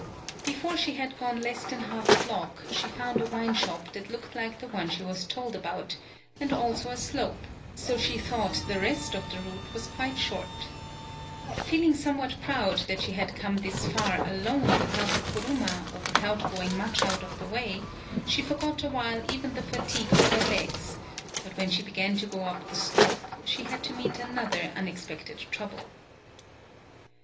Before she had gone less than half a block, she found a wine shop that looked like the one she was told about, and also a slope, so she thought rest of the route was quite short. Feeling some what proud that she had come this far alone without the Kuruma or without going much out of the way, she forgot a while even the fatigue of her legs, but when she began to go up the slope, she had to meet another unexpected trouble.